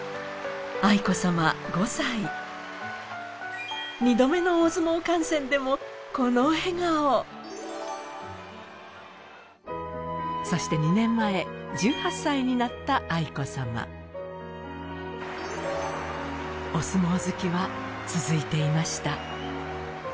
愛子さま５歳２度目の大相撲観戦でもこの笑顔そして２年前１８歳になった愛子さまお相撲好きは続いていました